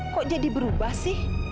kok jadi berubah sih